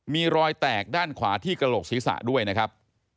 มีรอยแตกด้านขวาที่กระโหลกศีรษะด้วยนะครับ